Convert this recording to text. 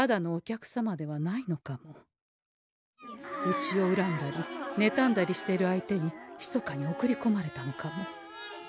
うちをうらんだりねたんだりしている相手にひそかに送りこまれたのかも。